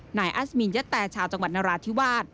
นายอัศมีนยะแต่ชาวจังหวัดนราธิวาส